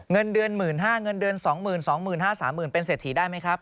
เงินเดือนหมื่นห้าเงินเดือนสองหมื่นสองหมื่นห้าสามหมื่นเป็นเศรษฐีได้ไหมครับ